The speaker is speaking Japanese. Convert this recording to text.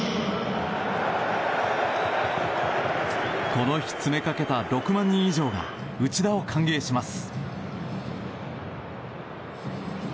この日、詰めかけた６万人以上が内田を歓迎します。